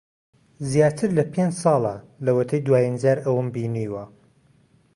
زیاتر لە پێنج ساڵە لەوەتەی دوایین جار ئەوم بینیوە.